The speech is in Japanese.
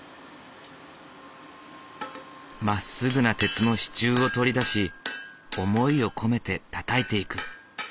まっすぐな鉄の支柱を取り出し思いを込めてたたいていく。